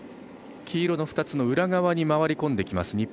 黄色の２つの裏側に回り込んできます